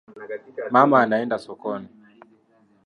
Mama anaenda sokoni.